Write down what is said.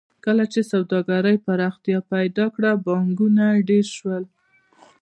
کله چې سوداګرۍ پراختیا پیدا کړه بانکونه ډېر شول